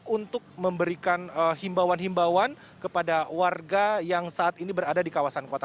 untuk memberikan himbauan himbauan kepada warga yang saat ini berada di kawasan kota